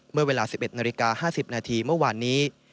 เมื่อเวลา๑๑นาฬิกา๕๐นาทีเมื่อวานนี้